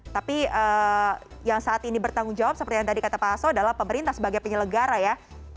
tapi yang saat ini bertanggung jawab seperti yang tadi kata pak hasso adalah pemerintah sebagai penyelenggara ya